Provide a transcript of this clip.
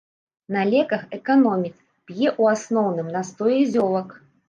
На леках эканоміць, п'е, у асноўным, настоі зёлак.